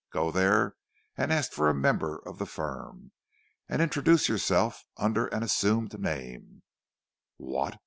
Go there and ask for a member of the firm, and introduce yourself under an assumed name—" "What!"